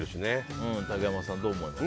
竹山さん、どう思いますか？